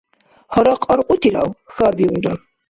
— Гьарахъ аркьутирав? — хьарбиулра.